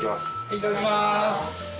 いただきます。